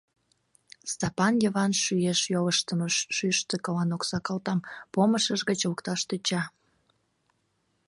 Стапан Йыван шӱеш йолыштымо шӱштӧ кылан окса калтам помышыж гыч лукташ тӧча.